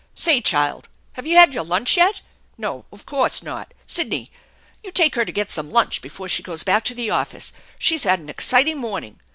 Say, child, have you had your lunch yet? No, of course not. Sidney, you take her to get some lunch before she goes back to the office. She's had an exciting morning.